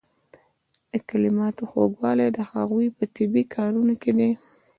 د کلماتو خوږوالی د هغوی په طبیعي کارونه کې دی.